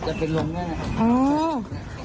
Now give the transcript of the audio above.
จะเป็นลงหน้า